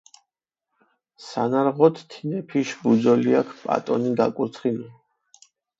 სანარღოთ, თინეფიშ ბუძოლიაქ პატონი გაკურცხინუ.